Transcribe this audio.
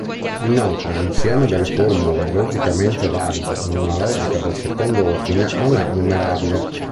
Inoltre l'insieme delle formule logicamente valide in una logica del second'ordine non è numerabile.